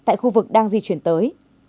tại khu vực đang di chuyển tới